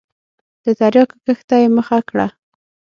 د تریاکو کښت ته یې مخه کړه.